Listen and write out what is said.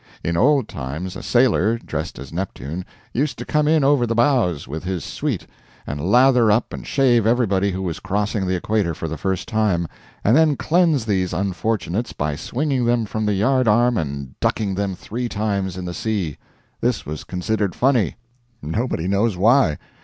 In old times a sailor, dressed as Neptune, used to come in over the bows, with his suite, and lather up and shave everybody who was crossing the equator for the first time, and then cleanse these unfortunates by swinging them from the yard arm and ducking them three times in the sea. This was considered funny. Nobody knows why.